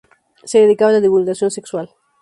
Se dedicaba a la divulgación sexual.